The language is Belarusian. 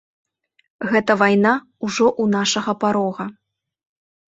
Гэта вайна ўжо ў нашага парога.